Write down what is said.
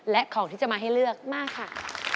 และของที่จะมาให้เลือกมากค่ะ